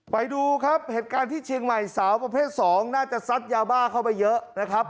ไปดูครับเหตุการณ์ที่เชียงใหม่สาวประเภท๒น่าจะซัดยาบ้าเข้าไปเยอะนะครับ